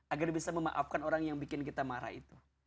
agar bisa memaafkan orang yang bikin kita marah itu